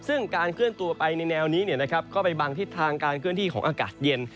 ซึ่งการเคลื่อนตัวไปในแนวนี้ก็ไปบังทิศทางการเคลื่อนที่ของอากาศเย็น